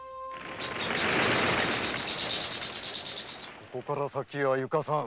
ここから先へは行かさん。